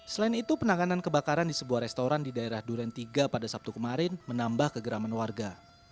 selain itu penanganan kebakaran di sebuah restoran di daerah duren tiga pada sabtu kemarin menambah kegeraman warga